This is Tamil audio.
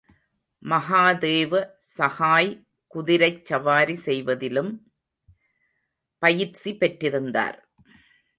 மகாதேவ சஹாய் குதிரைச் சவாரி செய்வதிலும் பயிற்சி பெற்றிருந்தார்.